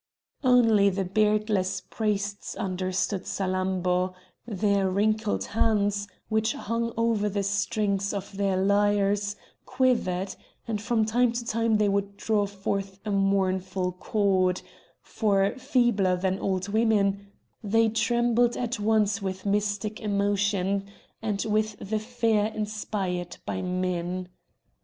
Only the beardless priests understood Salammbô; their wrinkled hands, which hung over the strings of their lyres, quivered, and from time to time they would draw forth a mournful chord; for, feebler than old women, they trembled at once with mystic emotion, and with the fear inspired by men.